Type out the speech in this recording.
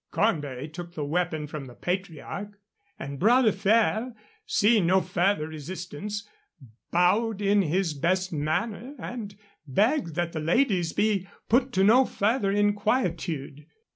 Cornbury took the weapon from the patriarch, and Bras de Fer, seeing no further resistance, bowed in his best manner and begged that the ladies be put to no further inquietude.